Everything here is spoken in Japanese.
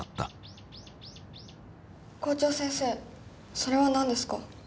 校長先生それは何ですか？